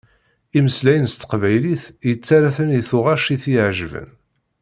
Imeslayen s teqbaylit yettarra-ten i tuγac i t-iεjeben.